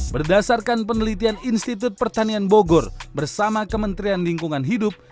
berdasarkan penelitian institut pertanian bogor bersama kementerian lingkungan hidup